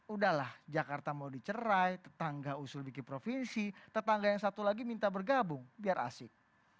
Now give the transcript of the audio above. udahlah jakarta mau dicerai tetangga usul bikin provinsi tetangga yang satu lagi minta bergabung biar asik